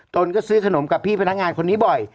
ตนก็ซื้อขนมกับพี่พนักงานคนนี้บ่อย